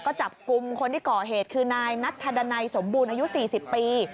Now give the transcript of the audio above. ก็จับกลุ่มคนที่ก่อเหตุคือนายนัทธดันัยสมบูรณ์อายุ๔๐ปี